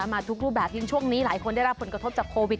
มาทุกรูปแบบยิ่งช่วงนี้หลายคนได้รับผลกระทบจากโควิด